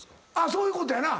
そういうことやな。